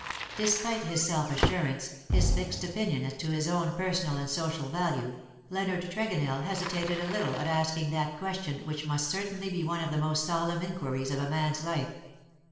Despite his self assurance — his fixed opinion as to his own personal and social value — Leonard Trego nell hesitated a little at asking that question which must certainly be one of the most solemn inquiries of a man's life.